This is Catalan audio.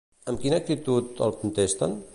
Amb quina actitud el contesten?